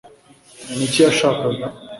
Ni iki yashakaga